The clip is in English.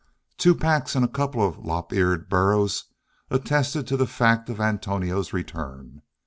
Two packs and a couple of lop eared burros attested to the fact of Antonio's return.